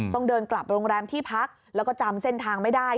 ต้องเดินกลับโรงแรมที่พักแล้วก็จำเส้นทางไม่ได้